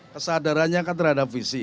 kesadarannya akan terhadap visi